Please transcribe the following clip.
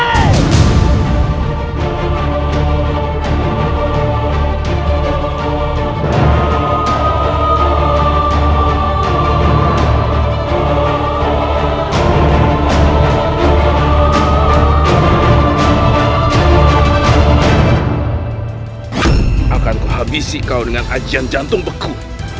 kami akan membuatmu habis bersama hujan jantung hersu